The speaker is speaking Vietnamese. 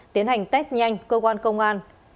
tiến hành test nhanh cơ quan công an